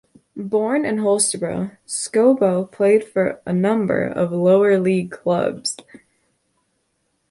Born in Holstebro, Skoubo played for a number of lower league clubs.